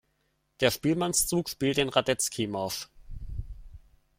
Der Spielmannszug spielt den Radetzky-Marsch.